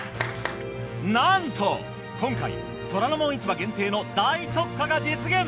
なんと今回『虎ノ門市場』限定の大特価が実現！